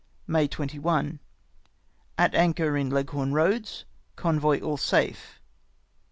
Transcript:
" May 21. — At anchor in Leghorn Eoads. Convoy all safe.